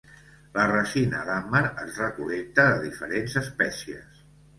La resina "dammar" es recol·lecta de diferents espècies.